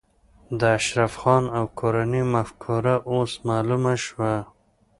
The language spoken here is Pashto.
د اشرف خان او کورنۍ مفکوره اوس معلومه شوه